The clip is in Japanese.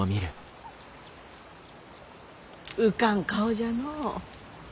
浮かん顔じゃのう。